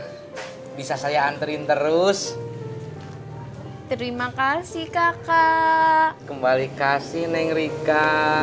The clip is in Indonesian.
knew bisa saya anterin terus terima kasih kakak kembali kasih neng rika